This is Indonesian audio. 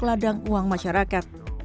peladang uang masyarakat